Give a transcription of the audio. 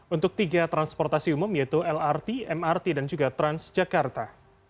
untuk tiga transportasi umum yaitu lrt mrt dan juga transjakarta